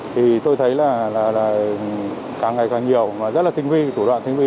thì tôi thấy là càng ngày càng nhiều và rất là tinh vi thủ đoạn tinh vi